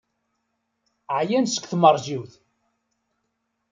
Ɛyan seg tmeṛjiwt.